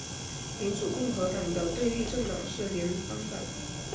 民主共和党的对立政党是联邦党。